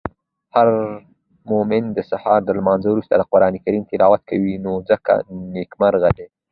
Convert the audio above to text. هرمومن د سهار د لمانځه وروسته د قرانکریم تلاوت کوی نو ځکه نیکمرغه دی.